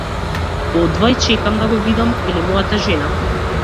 Одвај чекам да го видам, вели мојата жена.